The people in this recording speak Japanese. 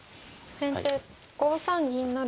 先手５三銀成。